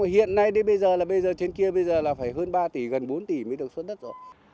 hiện nay đến bây giờ là bây giờ trên kia bây giờ là phải hơn ba tỷ gần bốn tỷ mới được xuất đất rồi